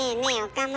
岡村。